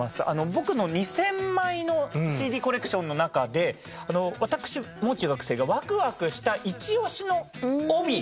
僕の２０００枚のＣＤコレクションの中で私もう中学生がワクワクしたイチオシの帯文言集でございます。